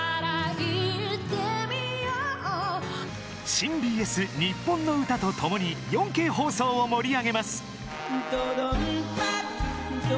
「新・ＢＳにっぽんの歌」とともに４Ｋ放送を盛り上げます。